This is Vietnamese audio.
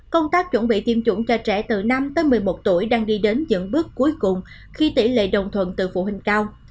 công tác chuẩn bị tiêm chủng cho trẻ từ năm tới một mươi một tuổi đang đi đến những bước cuối cùng khi tỷ lệ đồng thuận từ phụ huynh cao